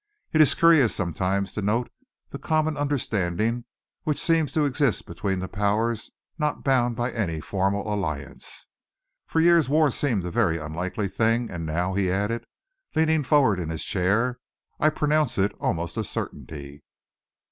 It is curious sometimes to note the common understanding which seems to exist between the Powers not bound by any formal alliance. For years war seemed a very unlikely thing, and now," he added, leaning forward in his chair, "I pronounce it almost a certainty."